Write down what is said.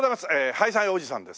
ハイサイおじさんです。